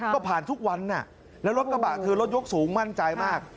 ก็ผ่านทุกวันแล้วรถกระบะคือรถยกสูงมั่นใจมาก